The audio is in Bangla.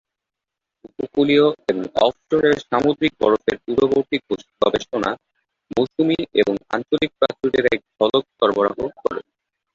উপকূলীয় এবং অফশোর এর সামুদ্রিক বরফের পূর্ববর্তী গবেষণা, মৌসুমী এবং আঞ্চলিক প্রাচুর্যের এক ঝলক সরবরাহ করে।